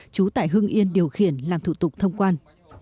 chú tại hưng yên điều khiển làm thủ tục thông quan